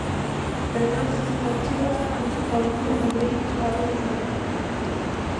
Pero todas esas achegas non se traduciron en dereitos á hora da xubilación.